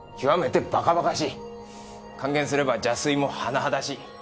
換言すれば邪推も甚だしい。